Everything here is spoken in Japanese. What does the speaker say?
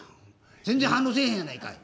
全然反応せえへんやないかい。